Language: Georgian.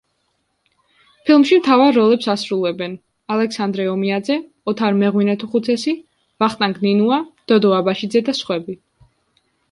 ფილმში მთავარ როლებს ასრულებენ: ალექსანდრე ომიაძე, ოთარ მეღვინეთუხუცესი, ვახტანგ ნინუა, დოდო აბაშიძე და სხვები.